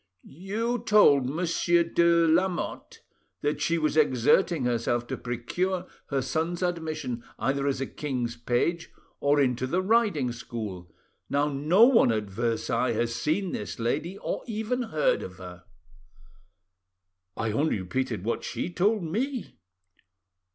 "You told Monsieur de, Lamotte that she was exerting herself to procure her son's admission either as a king's page or into the riding school. Now, no one at Versailles has seen this lady, or even heard of her." "I only repeated what she told me."